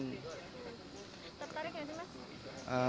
tertarik gak sih mbak